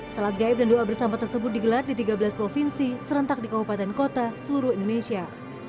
salat gaib dan doa bersama tersebut digelar di tiga belas provinsi serentak di kabupaten kota seluruh indonesia